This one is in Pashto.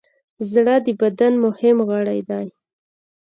زړه د بدن مهم غړی دی.